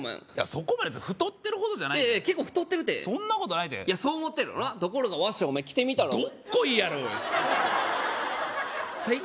そこまで太ってるほどじゃないいやいや結構太ってるてそんなことないてそう思ってるのなところがワッショイきてみたらどっこいやろはい？